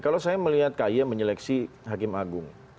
kalau saya melihat k y menyeleksi hakim agung